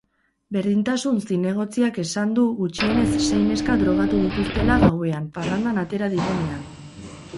Berdintasun zinegotziak esan du gutxienez sei neska drogatu dituztela gauean parrandan atera direnean.